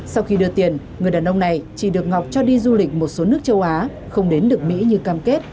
sau khi đưa tiền người đàn ông này chỉ được ngọc cho đi du lịch một số nước châu á không đến được mỹ như cam kết